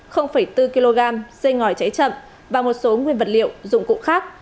bốn kg dây ngòi cháy chậm và một số nguyên vật liệu dụng cụ khác